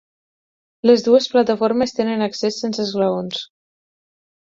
Les dues plataformes tenen accés sense esglaons.